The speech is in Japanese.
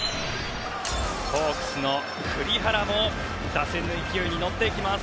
ホークスの栗原も打線の勢いに乗っていきます。